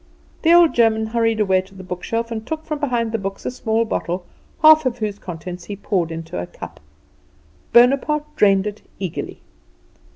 The old German hurried away to the bookshelf, and took from behind the books a small bottle, half of whose contents he poured into a cup. Bonaparte drained it eagerly.